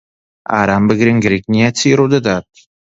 ئارام بگرن، گرنگ نییە چی ڕوودەدات.